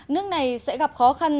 nước này sẽ gặp khó khăn